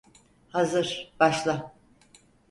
Hazır, başla!